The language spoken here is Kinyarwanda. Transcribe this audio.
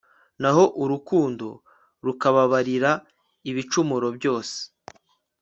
naho urukundo rukababarira ibicumuro byose